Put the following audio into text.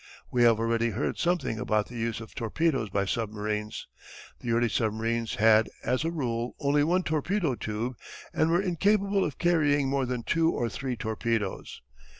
We have already heard something about the use of torpedoes by submarines. The early submarines had as a rule only one torpedo tube and were incapable of carrying more than two or three torpedoes.